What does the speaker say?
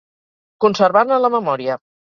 Conservar-ne la memòria.